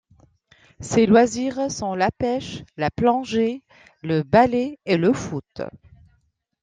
Ses loisirs sont la pêche, la plongée, le ballet et le foot.